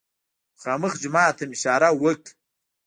مخامخ جومات ته مې اشاره وکړه.